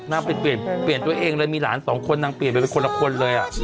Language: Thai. นางเปลี่ยนตัวเองเลยมีหลานสองคนนางเปลี่ยนไปเป็นคนละคนเลย